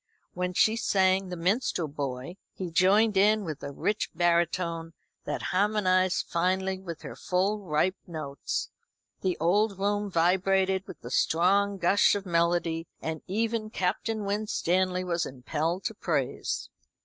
When she sang "The Minstrel Boy," he joined in with a rich baritone that harmonised finely with her full ripe notes. The old room vibrated with the strong gush of melody, and even Captain Winstanley was impelled to praise.